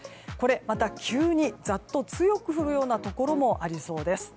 また急にざっと強く降るようなところもありそうです。